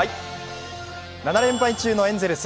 ７連敗中のエンゼルス。